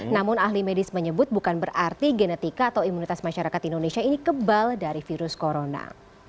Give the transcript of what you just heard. namun ahli medis menyebut bukan berarti genetika atau imunitas masyarakat indonesia ini kebal dari virus corona